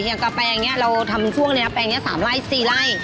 อย่างกับแปรงนี้เราทำช่วงแปรงนี้๓ไร่๔ไร่